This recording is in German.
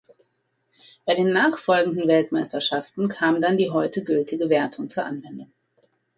Bei den nachfolgenden Weltmeisterschaften kam dann die heute gültige Wertung zur Anwendung.